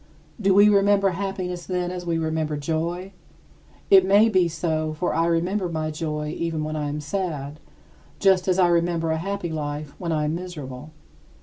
Do we remember happiness, then, as we remember joy? It may be so, for I remember my joy even when I am sad, just as I remember a happy life when I am miserable.